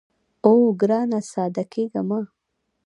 اوو ګرانه ساده کېږه مه.